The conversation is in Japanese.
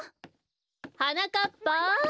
はなかっぱ。